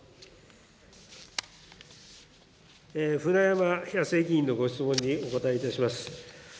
舟山康江議員のご質問にお答えいたします。